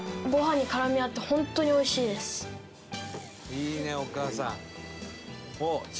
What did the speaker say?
「いいねお母さん」